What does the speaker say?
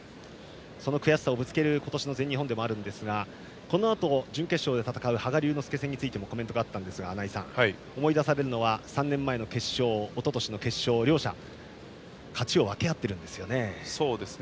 その悔しさをぶつける今年の全日本でもあるんですがこのあと準決勝で戦う羽賀龍之介さんについてもコメントがありましたが思い出されるのは３年前の決勝おととしの決勝、両者勝ちを分け合っているんです。